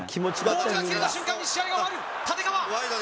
ボールが切れた瞬間に試合が終わる。